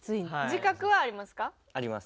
自覚はありますか？